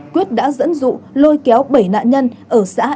quyết đã dẫn dụ lôi kéo bảy nạn nhân ở xã iao huyện iagrai